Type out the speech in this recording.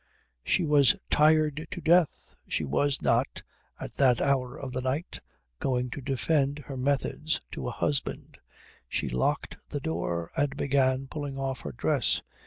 She was tired to death. She was not, at that hour of the night, going to defend her methods to a husband. She locked the door and began pulling off her dress.